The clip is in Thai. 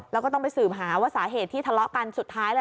แล้วก็ต้องไปสืบหาว่าสาเหตุที่ทะเลาะกันสุดท้าย